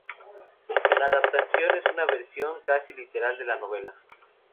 La adaptación es un versión casi literal de la novela.